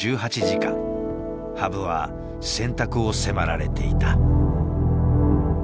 羽生は選択を迫られていた。